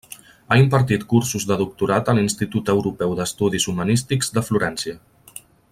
Ha impartit cursos de doctorat a l'Institut Europeu d'Estudis Humanístics de Florència.